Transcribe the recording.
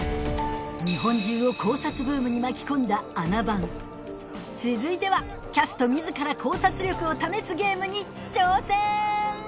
日本中を考察ブームに巻き込んだ『あな番』続いてはキャスト自ら考察力を試すゲームに挑戦！